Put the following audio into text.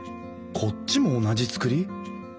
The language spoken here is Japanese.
こっちも同じ造り。